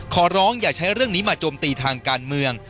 ขอร้องอย่าใช้เรื่องนี้มาโจมตีทางการเมือง